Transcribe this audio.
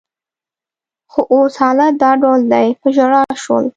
خو اوس حالت دا ډول دی، په ژړا شول.